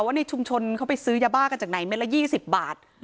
ว่าในชุมชนเขาไปซื้อยาบ้ากันจากไหนเม็ดละ๒๐บาท